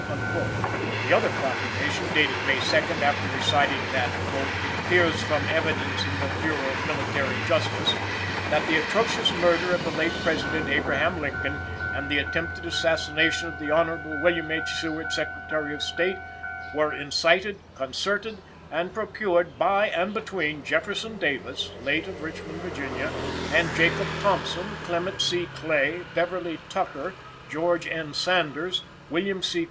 The other proclamation, dated May 2nd, after reciting that "it appears from evidence in the Bureau of Military Justice, that the atrocious murder of the late President, Abraham Lincoln, and the attempted assassination of the Hon. William H. Seward, Secretary of State, were incited, concerted, and procured by and between Jefferson Davis, late of Richmond, Va., and Jacob Thompson, Clement C. Clay, Beverly Tucker, George N. Sanders, William C.